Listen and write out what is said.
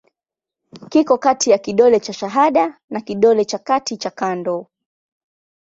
Kiko kati ya kidole cha shahada na kidole cha kati cha kando.